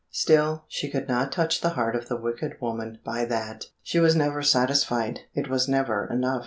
Still she could not touch the heart of the wicked woman by that; she was never satisfied; it was never enough.